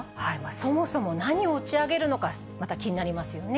そもそも何を打ち上げるのか、また気になりますよね。